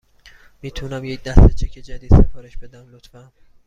می تونم یک دسته چک جدید سفارش بدهم، لطفاً؟